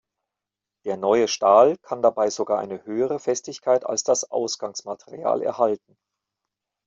Der neue Stahl kann dabei sogar eine höhere Festigkeit als das Ausgangsmaterial erhalten.